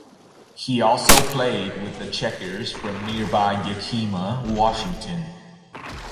He also played with the Checkers from nearby Yakima, Washington.